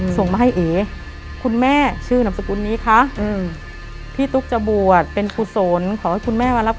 ส่งให้อ๋อคุณแม่ชื่อนมนห์ลางคุณนี้คะพี่ตุ๊กจะบ่อจะเป็นขุสนขอคุณแม่มารับ